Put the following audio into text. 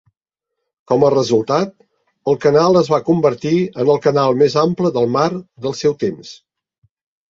Com a resultat, el canal es va convertir en el canal més ample del mar del seu temps.